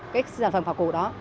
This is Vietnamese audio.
cái sản phẩm phảo cổ đó